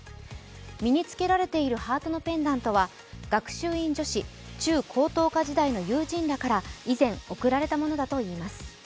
身に着けられているハートのペンダントは学習院女子中・高等科時代の友人らから以前、贈られたものだといいます。